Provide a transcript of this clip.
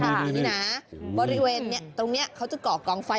อันนี้นะบริเวณตรงนี้เขาก่อกองไฟ